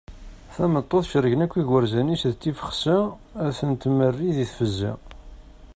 Tameṭṭut cergen akk igerzan-is d tifexsa ad ten-tmerri di tfezza.